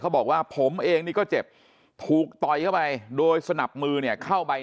บอกว่าผมเองนี่ก็เจ็บถูกต่อยเข้าไปโดยสนับมือเนี่ยเข้าไป